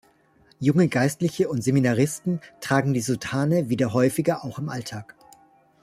Junge Geistliche und Seminaristen tragen die Soutane wieder häufiger auch im Alltag.